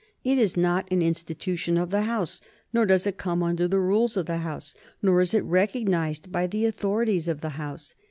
It is not an institution of the House, nor does it come under the rules of the House, nor is it recognized by the authorities of the House.